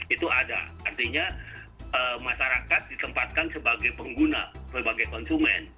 itu ada artinya masyarakat ditempatkan sebagai pengguna sebagai konsumen